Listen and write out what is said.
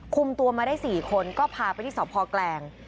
คุมตัวมาได้๔คนก็พาไปที่สพแกลง